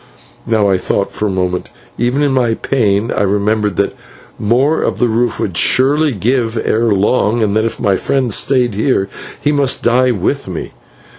Now I thought for a moment. Even in my pain I remembered that more of the roof would surely give ere long, and that if my friend stayed here he must die with me.